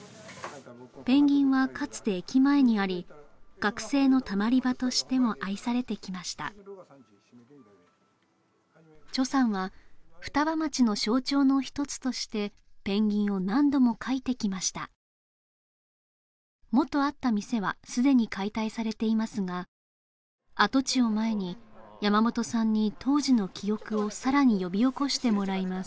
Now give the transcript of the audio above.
ペンギンはかつて駅前にあり学生のたまり場としても愛されてきましたさんは双葉町の象徴の一つとしてペンギンを何度も描いてきました元あった店はすでに解体されていますが跡地を前に山本さんに当時の記憶をさらに呼び起こしてもらいます